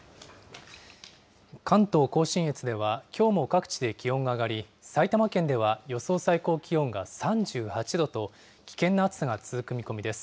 関東甲信越では、きょうも各地で気温が上がり、埼玉県では予想最高気温が３８度と、危険な暑さが続く見込みです。